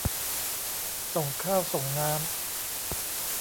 ส่งข้าวส่งน้ำ